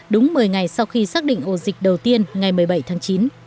đúng một mươi ngày sau khi xác định ổ dịch đầu tiên ngày một mươi bảy tháng chín